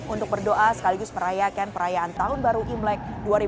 untuk berdoa sekaligus perayakan perayaan tahun baru imlek dua ribu lima ratus tujuh puluh satu